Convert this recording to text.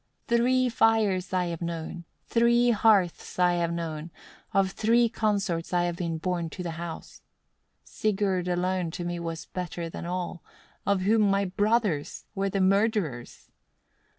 10. "Three fires I have known, three hearths I have known, of three consorts I have been borne to the house. Sigurd alone to me was better than all, of whom my brothers were the murderers.